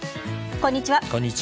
こんにちは。